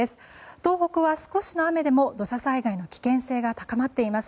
東北は少しの雨でも土砂災害の危険性が高まっています。